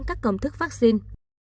các công thức vaccine